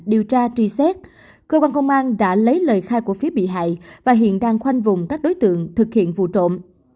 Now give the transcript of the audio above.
điều tra truy xét cơ quan công an đã lấy lời khai của phía bị hại và hiện đang khoanh vùng các đối tượng thực hiện vụ trộm